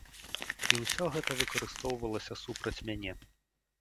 І ўсё гэта выкарыстоўвалася супраць мяне.